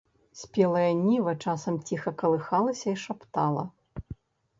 Спелая ніва часам ціха калыхалася і шаптала.